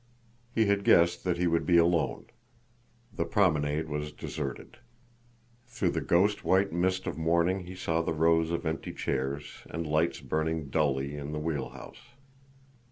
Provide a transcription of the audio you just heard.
He had guessed that he would be alone. The promenade was deserted. Through the ghost white mist of morning he saw the rows of empty chairs, and lights burning dully in the wheel house.